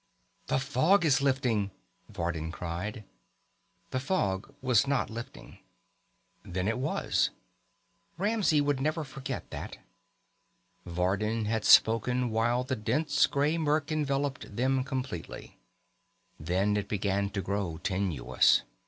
"The fog is lifting!" Vardin cried. The fog was not lifting. Then it was. Ramsey would never forget that. Vardin had spoken while the dense gray murk enveloped them completely. Then it began to grow tenuous.